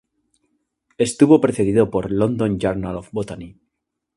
Estuvo precedido por "London Journal of Botany".